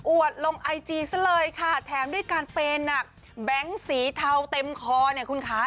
ลงไอจีซะเลยค่ะแถมด้วยการเปย์หนักแบงค์สีเทาเต็มคอเนี่ยคุณคะ